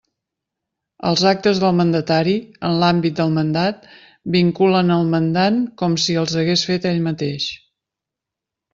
Els actes del mandatari, en l'àmbit del mandat, vinculen el mandant com si els hagués fet ell mateix.